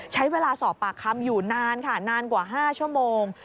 ใช้เวลาสอบปากคำอยู่นานค่ะนานกว่า๕ชั่วโมง